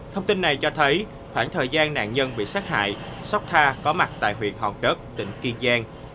thông tin này cho thấy khoảng thời gian nạn nhân bị sát hại sóc tha có mặt tại huyện hòn đất tỉnh kiên giang